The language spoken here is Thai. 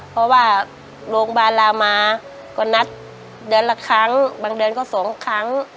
เพราะว่าโรงพยาบาลลามาก็นัดเดือนละครั้งบางเดือนก็๒ครั้ง